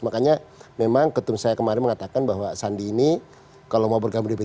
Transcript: makanya memang ketum saya kemarin mengatakan bahwa sandi ini kalau mau bergabung di p tiga